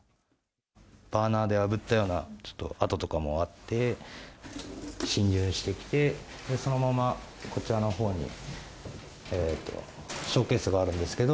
バーナーであぶったような、ちょっと跡とかもあって、侵入してきて、そのまま、こちらのほうにショーケースがあるんですけど、